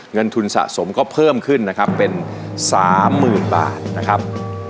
เงินทุนสะสมก็เพิ่มขึ้นนะครับเป็น๓๐๐๐บาทนะครับ